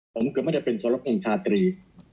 ผมเกือบไม่ได้เป็นสรพงษ์ชาตรี